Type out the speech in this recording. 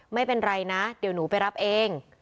ไม่เป็นไรนะเดี๋ยวหนูไปรับเอง